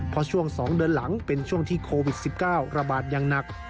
เพราะช่วง๒เดือนหลังเป็นช่วงที่โควิด๑๙ระบาดอย่างหนัก